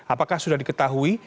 apakah sudah diketahui